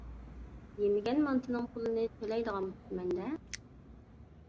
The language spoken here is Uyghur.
يېمىگەن مانتىنىڭ پۇلىنى تۆلەيدىغان بوپتىمەن-دە.